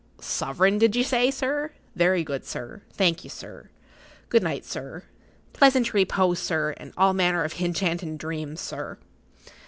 "Soverin' did you say, sir? Very good, sir. Thank ye, sir. Good night, sir. Pleasant reepose, sir, and all manner of hinchantin' dreams, sir."